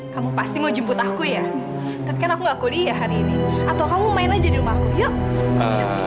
kamu pasti mau jemput aku ya tapi kan aku gak kuliah hari ini atau kamu main aja di rumahku yuk